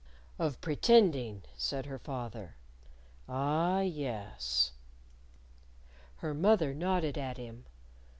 "Of pretending," said her father. "Ah, yes." Her mother nodded at him.